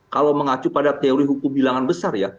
kalau mengacu pada teori hukum bilangan besar ya